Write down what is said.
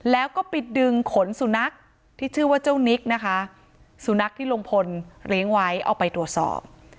แล้วก็ไปดึงขนสุนัขที่ชื่อว่าเจ้านิกนะคะสุนัขที่ลุงพลเลี้ยงไว้เอาไปตรวจสอบ